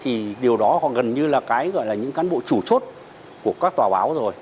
thì điều đó gần như là cái gọi là những cán bộ chủ chốt của các tòa báo rồi